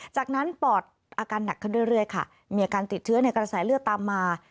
จากนั้นปอดอาการหนักขึ้นเรื่อยค่ะมีอาการติดเชื้อในกระแสเลือดตามมา